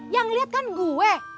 yang liat kan gue